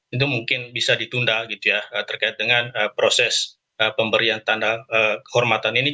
itu mungkin bisa ditunda gitu ya terkait dengan proses pemberian tanda kehormatan ini